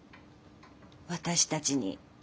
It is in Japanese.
私たちに。